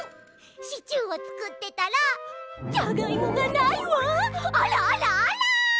シチューをつくってたら「じゃがいもがないわあらあらあら」ってなってるところ！